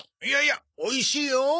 いやいやおいしいよ。